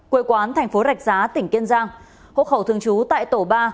quê quán thành phố rạch giá tỉnh kiên giang hộ khẩu thường trú tại tổ ba